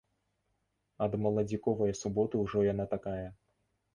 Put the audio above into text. Ад маладзіковае суботы ўжо яна такая!